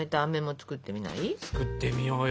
作ってみようよ